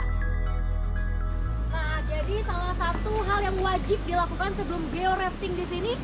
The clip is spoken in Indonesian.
nah jadi salah satu hal yang wajib dilakukan sebelum georafting di sini